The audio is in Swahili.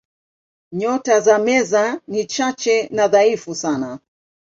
Nyota za Meza ni chache na dhaifu sana.